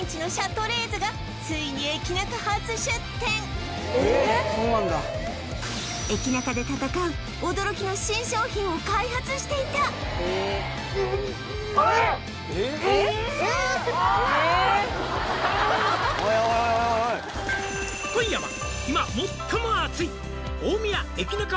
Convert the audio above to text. そうなんだ駅ナカで戦う驚きの新商品を開発していた「今夜は」